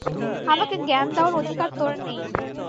আমাকে জ্ঞান দেওয়ার অধিকার তোর নেই।